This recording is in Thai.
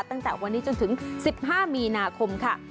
ตั้งแต่วันนี้จนถึง๑๕มีนาคมค่ะ